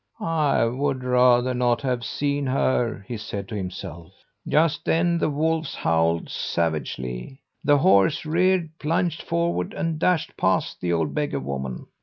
"'I would rather not have seen her,' he said to himself. "Just then the wolves howled savagely. The horse reared, plunged forward, and dashed past the old beggar woman.